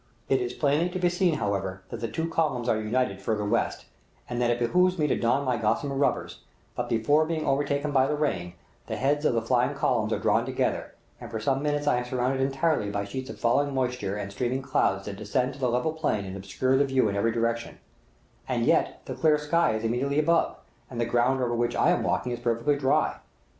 It is plainly to be seen, however, that the two columns are united further west, and that it behooves me to don my gossamer rubbers; but before being overtaken by the rain, the heads of the flying columns are drawn together, and for some minutes I am surrounded entirely by sheets of falling moisture and streaming clouds that descend to the level plain and obscure the view in every direction; and yet the clear sky is immediately above, and the ground over which I am walking is perfectly dry.